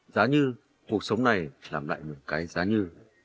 giá như cuộc sống này làm lại một cái giá như